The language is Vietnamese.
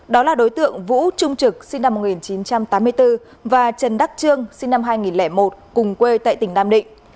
đó là đối tượng vũ trung trực sinh năm một nghìn chín trăm tám mươi bốn và trần đắc trương sinh năm hai nghìn một cùng quê tại tỉnh nam định